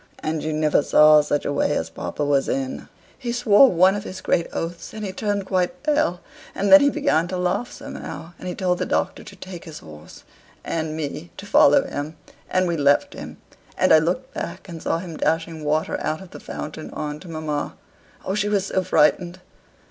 And you never saw such a way as papa was in: he swore one of his great oaths: and he turned quite pale; and then he began to laugh somehow, and he told the Doctor to take his horse, and me to follow him; and we left him. And I looked back, and saw him dashing water out of the fountain on to mamma. Oh, she was so frightened!"